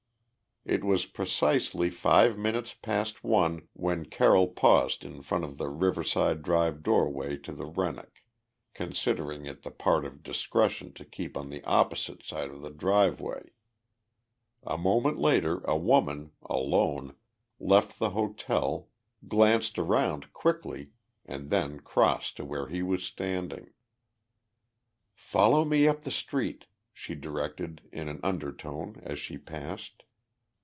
It was precisely five minutes past one when Carroll paused in front of the Riverside Drive doorway to the Rennoc, considering it the part of discretion to keep on the opposite side of the driveway. A moment later a woman, alone, left the hotel, glanced around quickly, and then crossed to where he was standing. "Follow me up the street," she directed in an undertone as she passed.